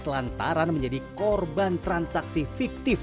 lantaran menjadi korban transaksi fiktif